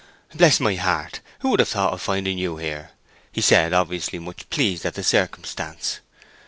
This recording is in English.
"Bless my heart, who would have thought of finding you here," he said, obviously much pleased at the circumstance.